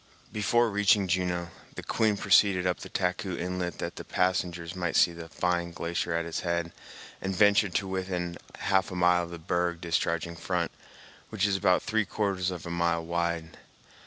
Before reaching Juneau, the Queen proceeded up the Taku Inlet that the passengers might see the fine glacier at its head, and ventured to within half a mile of the berg discharging front, which is about three quarters of a mile wide.